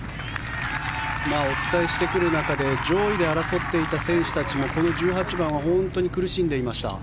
お伝えしてくる中で上位で争っていた選手たちもこの１８番は本当に苦しんでいました。